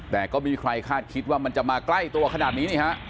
แต่ก็ไม่มีใครคาดคิดว่ามันจะมาใกล้ตัวขนาดนี้นี่ฮะ